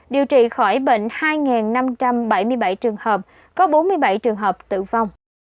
điều trị khỏi bệnh hai năm trăm bảy mươi bảy trường hợp có bốn mươi bảy trường hợp tử vong